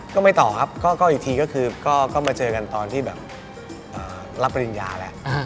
ก็ไม่ต่อครับก็อีกทีก็คือก็มาเจอกันตอนที่แบบรับปริญญาแล้ว